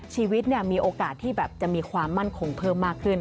ชีวิตมีโอกาสที่แบบจะมีความมั่นคงเพิ่มมากขึ้น